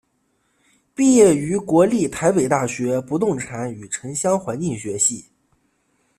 毕业于国立台北大学不动产与城乡环境学系。